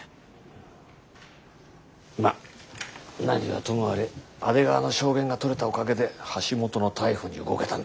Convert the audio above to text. まあ何はともあれ阿出川の証言が取れたおかげで橋本の逮捕に動けたんだ。